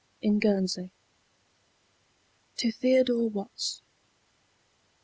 IN GUERNSEY. TO THEODORE WATTS. I.